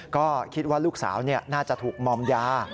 ก็คิดว่าลูกสาวน่าจะถูกมอมยา